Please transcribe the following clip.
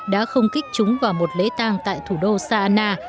đã không kích chúng vào một lễ tang tại thủ đô sana